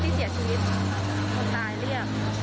ที่เสียชีวิตคนตายเรียก